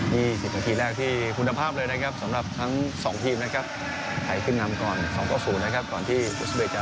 ๒๐นาทีแรกที่พุนภาพเลยนะครับสำหรับทั้ง๒ทีมครับ